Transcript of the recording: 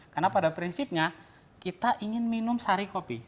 karena pada prinsipnya kita ingin minum sari kopi